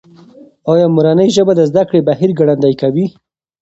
ایا مورنۍ ژبه د زده کړې بهیر ګړندی کوي؟